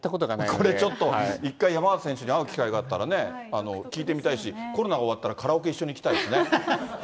これちょっと、１回、山縣選手に会う機会があったら聞いてみたいし、コロナ終わったら、カラオケ一緒に行きたいですね。